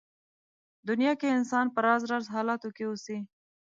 دنيا کې انسان په راز راز حالاتو کې اوسي.